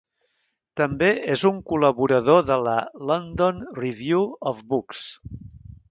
També és un col·laborador de la "London Review of Books".